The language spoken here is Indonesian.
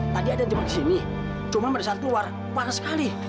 tadi ada jembatan disini cuma meresan keluar parah sekali